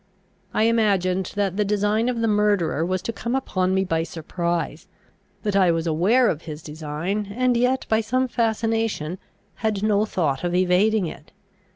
I imagined that the design of the murderer was to come upon me by surprise, that I was aware of his design, and yet, by some fascination, had no thought of evading it.